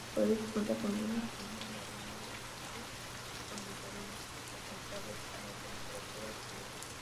Por ello cuenta con un clima variado, con diferencia notables en la temperatura promedio.